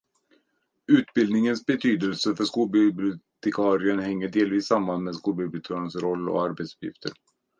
Utbildningens betydelse för skolbibliotekarien hänger delvis samman med skolbibliotekariens roll och arbetsuppgifter.